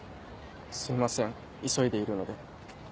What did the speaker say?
すいません急いでいるので。